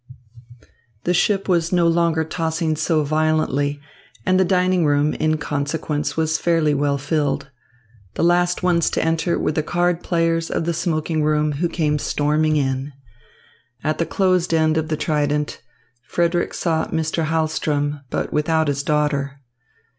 The ship was no longer tossing so violently, and the dining room, in consequence, was fairly well filled. The last ones to enter were the card players of the smoking room, who came storming in. At the closed end of the trident, Frederick saw Mr. Hahlström, but without his daughter.